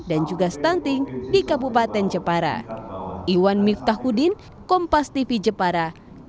dan juga stunting di kabupaten jepara